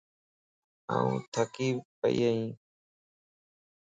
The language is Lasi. آن ٿڪي پئي ائين